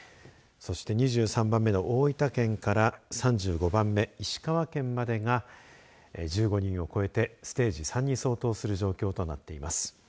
そして２３番目の大分県から３５番目、石川県までが１５人を超えてステージ３に相当する状況となっています。